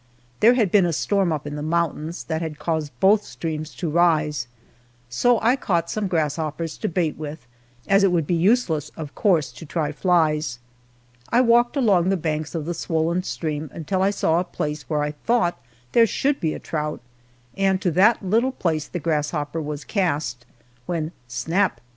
There had been a storm up in the mountains that had caused both streams to rise, so I caught some grasshoppers to bait with, as it would be useless, of course, to try flies. I walked along the banks of the swollen stream until I saw a place where I thought there should be a trout, and to that little place the grasshopper was cast, when snap!